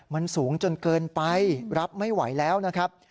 มันสูงจนเกินไปรับไม่ไหวแล้วนะครับ